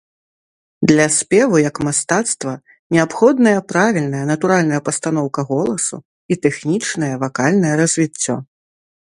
Для спеву як мастацтва, неабходныя правільная, натуральная пастаноўка голасу і тэхнічнае вакальнае развіццё.